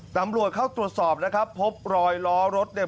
ตำรวจเข้าตรวจสอบนะครับพบรอยล้อรถเนี่ย